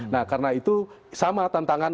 nah karena itu sama tantangan